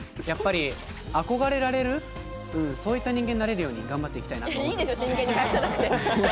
やっぱり憧れられる、そういった人間になれるように頑張っていきたいなと思います。